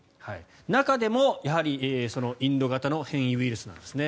中でもインド型の変異ウイルスなんですね。